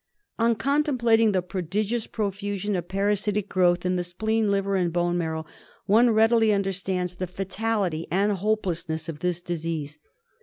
^ On contemplating the prodigious profusion of parasitic growth in the spleen, liver, and bone marrow, one readily understands the fatality and hopelessness of this ^disease.